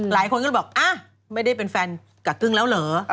หลายคนก็เลยบอกไม่ได้เป็นแฟนกับกึ้งแล้วเหรอ